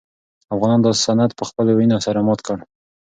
افغانانو دا سند په خپلو وینو سره مات کړ.